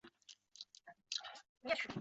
苏俄是当时世界上土地面积最大的国家。